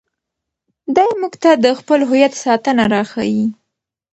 دی موږ ته د خپل هویت ساتنه راښيي.